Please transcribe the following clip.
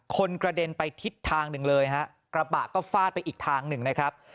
กระเด็นไปทิศทางหนึ่งเลยฮะกระบะก็ฟาดไปอีกทางหนึ่งนะครับ